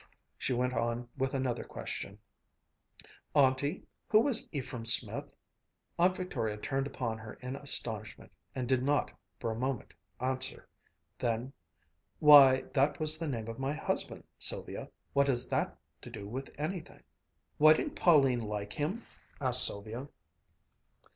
She went on with another question, "Auntie, who was Ephraim Smith?" Aunt Victoria turned upon her in astonishment, and did not, for a moment, answer; then: "Why, that was the name of my husband, Sylvia. What has that to do with anything?" "Why didn't Pauline like him?" asked Sylvia.